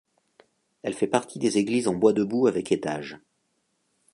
Elle fait partie des églises en bois debout avec étage.